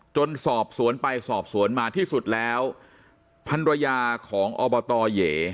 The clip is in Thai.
สอบสวนไปสอบสวนมาที่สุดแล้วพันรยาของอบตเหย